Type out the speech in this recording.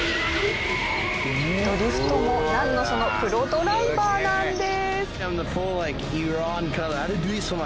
ドリフトもなんのそのプロドライバーなんです。